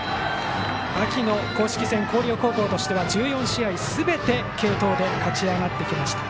秋の公式戦、広陵高校としては１４試合すべて継投で勝ち上がってきました。